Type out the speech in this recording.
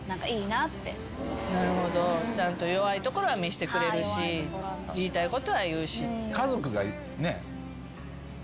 なるほどちゃんと弱いところは見せてくれるし言いたいことは言うし。